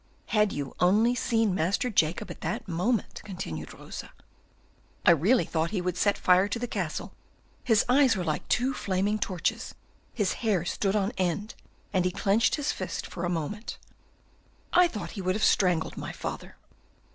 "Had you only seen Master Jacob at that moment!" continued Rosa. "I really thought he would set fire to the castle; his eyes were like two flaming torches, his hair stood on end, and he clinched his fist for a moment; I thought he would have strangled my father."